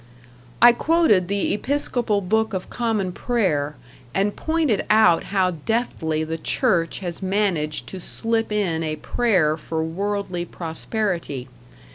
I quoted the Episcopal Book of Common Prayer, and pointed out how deftly the Church has managed to slip in a prayer for worldly prosperity.